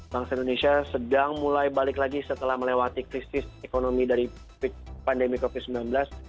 bangsa indonesia sedang mulai balik lagi setelah melewati krisis ekonomi dari pandemi covid sembilan belas